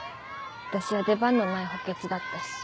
私は出番のない補欠だったし。